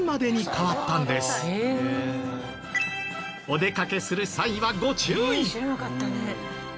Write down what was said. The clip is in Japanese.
お出かけする際はご注意！